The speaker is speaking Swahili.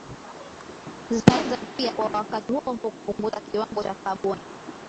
zinaweza pia kwa wakati huohuo kupunguza kiwango cha kaboni